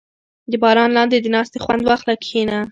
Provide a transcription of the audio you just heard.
• د باران لاندې د ناستې خوند واخله، کښېنه.